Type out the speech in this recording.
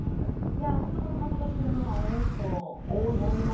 いやほんとこの葛藤してるママ多いと思いますよね。